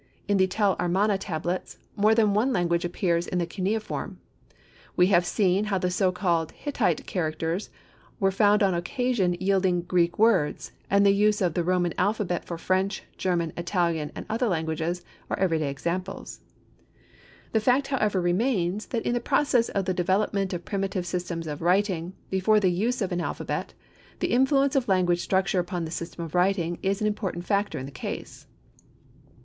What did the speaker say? In the Tel Armana tablets, more than one language appears in the cuneiform. We have seen how the so called Hittite characters were found on occasion yielding Greek words, and the use of the Roman alphabet for French, German, Italian and other languages, are every day examples. The fact however remains, that in the process of the development of primitive systems of writing, before the use of an alphabet, the influence of language structure upon the systems of writing is an important factor in the case.